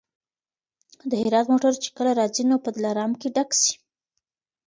د هرات موټر چي کله راځي نو په دلارام کي ډک سي.